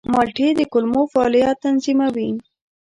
مالټې د کولمو فعالیت تنظیموي.